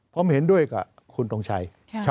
พร้อมเห็นด้วยกับคุณตรงชัย